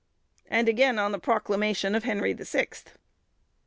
and again on the proclamation of Henry the Sixth.